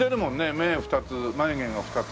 目２つ眉毛が２つ。